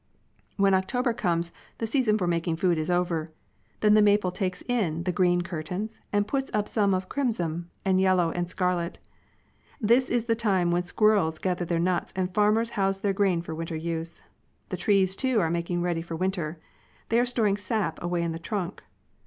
When October comes, the season for making food is over. Then the maple takes in the green curtains and puts up some of crimson and yellow and scarlet. This is the time when squirrels gather their nuts and farmers house their grain for winter use. The trees, too, are making ready for winter. They are storing sap away in the trunk.